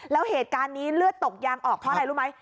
แล้วเหตุการณ์นี้เลือดตกยางออกเพราะอะไรรู้ไหม